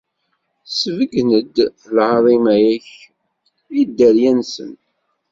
Sbeyyen-d lɛaḍima-k i dderya-nsen.